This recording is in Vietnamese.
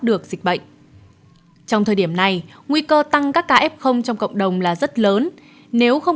được dịch bệnh trong thời điểm này nguy cơ tăng các ca f trong cộng đồng là rất lớn nếu không